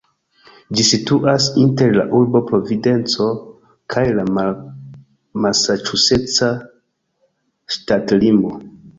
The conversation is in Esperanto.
Ĝi situas inter la urbo Providenco kaj la masaĉuseca ŝtatlimo.